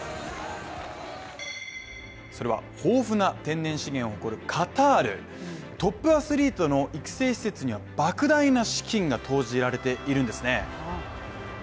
それは、豊富な天然資源を、これ、カタールトップアスリートの育成施設には莫大な資金が投じられているんですね。